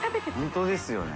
本当ですよね。